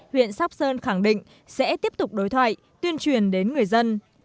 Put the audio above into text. huyện sóc sơn khẳng định sẽ tiếp tục đối thoại tuyên truyền đến người dân